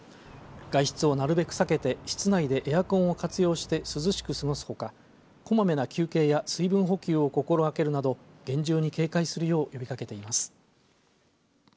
外出をなるべく避けて室内でエアコンを活用して涼しく過ごすほか、こまめな休憩や水分補給を心がけるなど厳重に警戒するよう呼びかけています。